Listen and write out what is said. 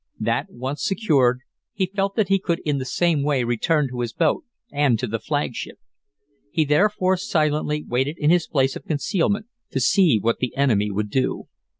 That once secured, he felt that he could in the same way return to his boat and to the flagship. He therefore silently waited in his place of concealment to see what the enemy would do.